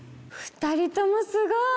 ２人ともすごい！